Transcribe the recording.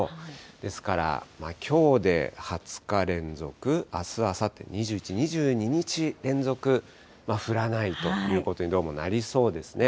ですから、きょうで２０日連続、あす、あさって、２１、２２日連続、降らないということにどうもなりそうですね。